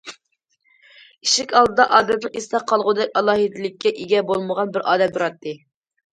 ئىشىك ئالدىدا ئادەمنىڭ ئېسىدە قالغۇدەك ئالاھىدىلىككە ئىگە بولمىغان بىر ئادەم تۇراتتى.